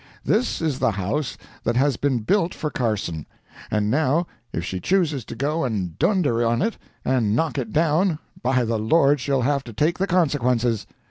This is the house that has been built for Carson—and now if she chooses to go and dunder on it and knock it down, by the Lord she'll have to take the consequences!